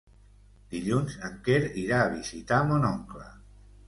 Dilluns en Quer irà a visitar mon oncle.